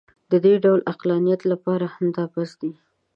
د دې ډول عقلانیت لپاره همدا بس دی.